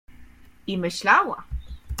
I myślała.